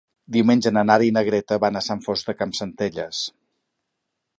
Diumenge na Nara i na Greta van a Sant Fost de Campsentelles.